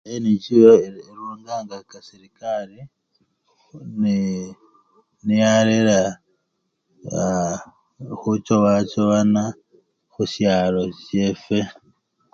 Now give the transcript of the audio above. NGO erunganga serekari neyarera aa! khuchowa chowana khusyalo syefwe.